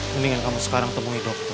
mendingan kamu sekarang temui dok